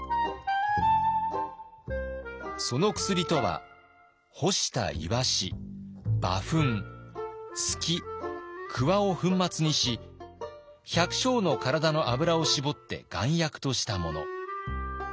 その薬とは干した鰯馬糞鋤鍬を粉末にし百姓の体の脂を搾って丸薬としたもの。